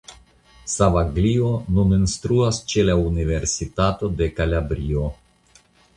Savaglio nun instruas ĉe la Universitato de Kalabrio.